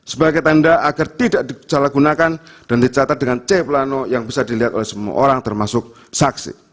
sebagai tanda agar tidak disalahgunakan dan dicatat dengan c plano yang bisa dilihat oleh semua orang termasuk saksi